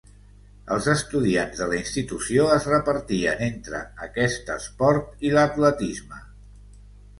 Els estudiants de la institució es repartien entre aquest esport i l'atletisme.